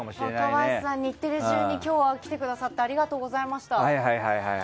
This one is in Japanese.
若林さん、日テレ中に今日は来てくださってありがとうございました。